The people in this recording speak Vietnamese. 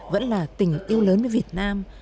vẫn là tình yêu lớn với việt nam